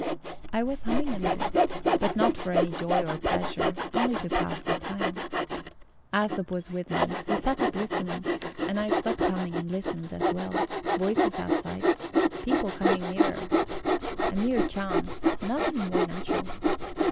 I was humming a little, but not for any joy or pleasure, only to pass the time. Æsop was with me; he sat up listening, and I stopped humming and listened as well. Voices outside; people coming nearer. A mere chance nothing more natural.